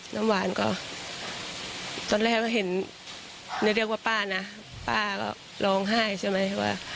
น้ำหวานก็ตอนแรกก็เห็นได้เรียกว่าป้านะป้าก็ร้องไห้ใช่ไหมว่า